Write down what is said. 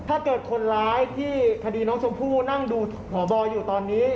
ถ้าเกิดคนร้ายที่คดีน้องชมพู่นั่งดูหมอบอยอยู่ตอนนี้